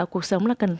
cuộc sống là cần